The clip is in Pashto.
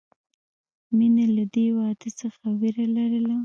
مینې له دې واده څخه وېره لرله